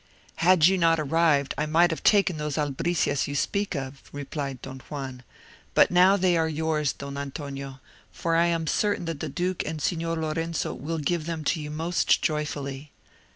"Had you not arrived, I might have taken those albricias you speak of," replied Don Juan; "but now they are yours, Don Antonio, for I am certain that the duke and Signor Lorenzo will give them to you most joyfully."